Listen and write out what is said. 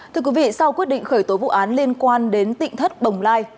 thưa quý vị sau quyết định khởi tố vụ án liên quan đến tịnh thất bồng lai